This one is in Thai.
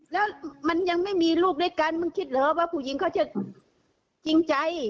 แล้วมันยังไม่มีลูกด้วยกันมึงคิดเหรอว่าผู้หญิงเขาจะจริงใจ